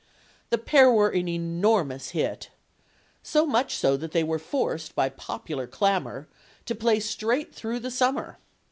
The pair were an enormous hit. So much so that they were forced, by popular clamor, to play straight through the summer.